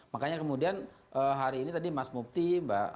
makanya kemudian hari ini tadi mas mufti mbak pungki juga